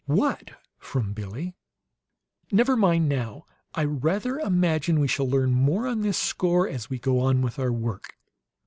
"What?" from Billie. "Never mind now. I rather imagine we shall learn more on this score as we go on with our work.